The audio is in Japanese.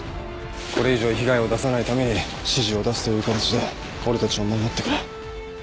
これ以上被害を出さないために指示を出すという形で俺たちを守ってくれ。